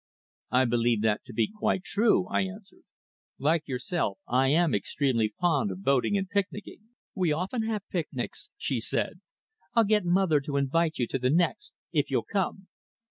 "I believe that to be quite true," I answered. "Like yourself, I am extremely fond of boating and picnicking." "We often have picnics," she said. "I'll get mother to invite you to the next if you'll come."